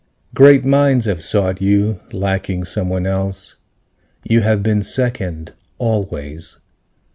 Great minds have sought you lacking someone else. You have been second always.